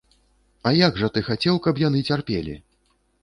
А як жа ты хацеў, каб яны цярпелі?